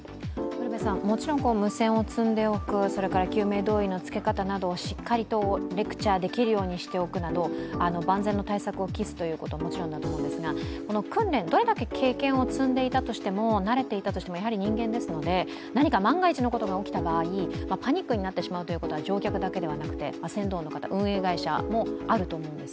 もちろん無線を積んでおく救命胴衣の着け方などをしっかりとレクチャーできるようにしておくなど万全の対策を期すということはもちろんだと思うんですが訓練、どれだけ経験を積んでいたとしても慣れていたとしてもやはり人間ですので何か万が一のことが起きた場合パニックになってしまうということは乗客だけじゃなくて船頭の方、運営会社もあると思うんです。